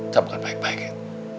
saya bukan baik baikin